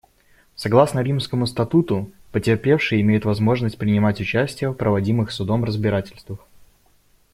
Согласно Римскому статуту, потерпевшие имеют возможность принимать участие в проводимых Судом разбирательствах.